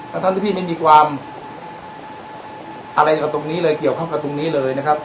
ทั้งที่พี่ไม่มีความอะไรกับตรงนี้เลยเกี่ยวข้องกับตรงนี้เลยนะครับ